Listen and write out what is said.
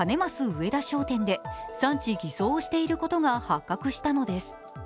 上田商店で産地偽装をしていることが発覚したのです。